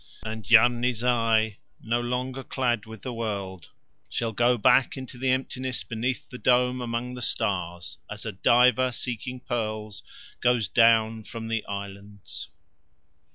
And Yarni Zai, no longer clad with the world, shall go back into the emptiness beneath the Dome among the stars, as a diver seeking pearls goes down from the islands.